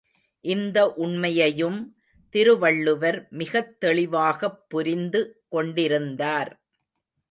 இந்த உண்மையையும் திருவள்ளுவர் மிகத்தெளிவாகப் புரிந்து கொண்டிருந்தார்.